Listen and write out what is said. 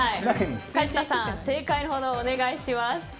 梶田さん、正解をお願いします。